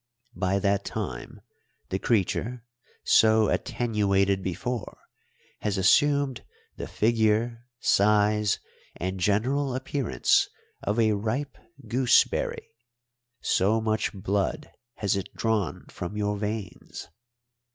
By that time the creature, so attenuated before, has assumed the figure, size, and general appearance of a ripe gooseberry, so much blood has it drawn from your veins.